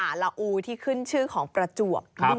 แต่ว่าก่อนอื่นเราต้องปรุงรสให้เสร็จเรียบร้อย